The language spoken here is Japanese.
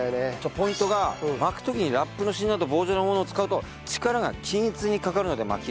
ポイントが巻く時にラップの芯など棒状のものを使うと力が均一にかかるので巻きやすいと。